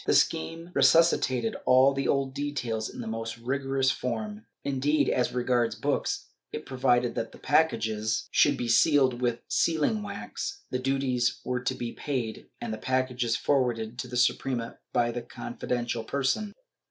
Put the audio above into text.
The scheme resuscitated all the old details in the most rigorous form; indeed, as regards books, it provided that the packages should be sealed with sealing wax, the duties were to be paid and the packages forwarded to the Suprema by some confidential person.